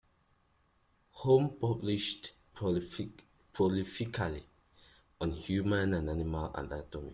Home published prolifically on human and animal anatomy.